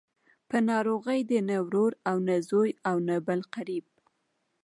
په ناروغۍ دې نه ورور او نه زوی او نه بل قريب.